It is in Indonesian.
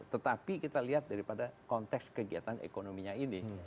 tetapi kita lihat daripada konteks kegiatan ekonominya ini